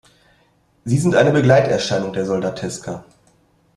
Sie sind eine Begleiterscheinung der Soldateska.